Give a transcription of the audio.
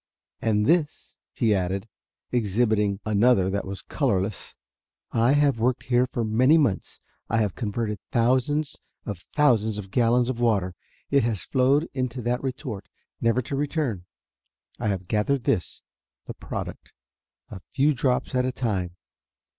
"And this," he added, exhibiting another that was colorless. "I have worked here for many months. I have converted thousands of thousands of gallons of water. It has flowed into that retort, never to return. I have gathered this, the product, a few drops at a time.